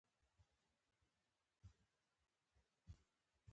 ځانګړي مهارتونه زده او خپلې وړتیاوې یې وځلولې.